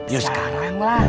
iya sekarang pak